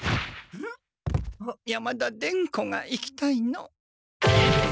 山田伝子が行きたいの！